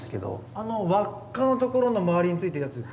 あの輪っかのところの周りについてるやつですか？